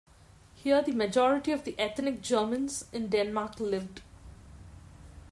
Here the majority of the ethnic Germans in Denmark lived.